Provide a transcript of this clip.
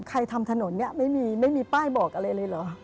ใครทำถนนนี้ไม่มีป้ายบอกอะไรเลยเหรอ